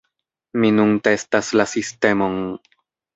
Mi nun testas la sistemon.